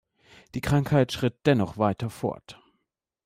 Die Krankheit schritt dennoch weiter fort.